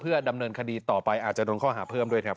ดำเนินคดีต่อไปอาจจะโดนข้อหาเพิ่มด้วยครับ